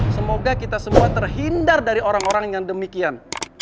semoga kita semua terhindar dari orang orang yang demikian